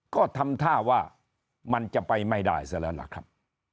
ก็ทำท่าว่ามันจะไปไม่ได้ซะแล้วล่ะครับ